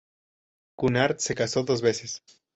Cunard se casó dos veces.